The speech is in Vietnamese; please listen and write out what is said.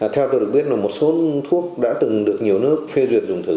theo tôi được biết là một số thuốc đã từng được nhiều nước phê duyệt dùng thử